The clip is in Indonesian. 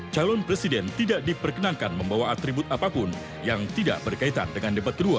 calon presiden tidak diperkenankan membawa atribut apapun yang tidak berkaitan dengan debat kedua